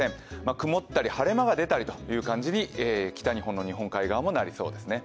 曇ったり晴れ間が出たりと北日本の日本海側もなりそうです。